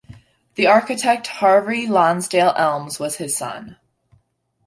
The architect Harvey Lonsdale Elmes was his son.